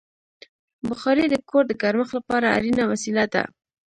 بخاري د کور د ګرمښت لپاره اړینه وسیله ده.